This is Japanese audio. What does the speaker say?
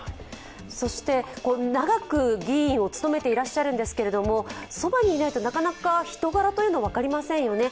長く議員を務めていらっしゃるんですけれどもそばにいないと、なかなか人柄は分かりませんよね。